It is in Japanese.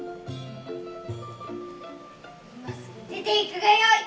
今すぐ出ていくがよい！